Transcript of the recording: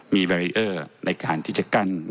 มีวัลเลเยอร์ในการที่จะกั้น